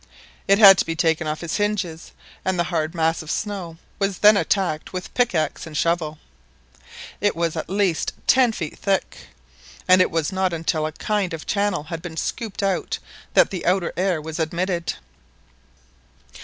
It had to be taken off its hinges, and the hard mass of snow was then attacked with pickaxe and shovel; it was at least ten feet thick, and it was not until a kind of channel bad been scooped out that the outer air was admitted.